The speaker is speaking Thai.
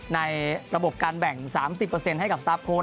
ในระบบการแบ่ง๓๐ให้กับสตาร์ฟโค้ด